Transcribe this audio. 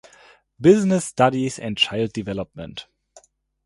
Business Studies and Child Development.